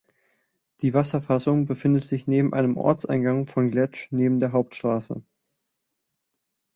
Die Wasserfassung befindet sich beim Ortseingang von Gletsch neben der Hauptstrasse.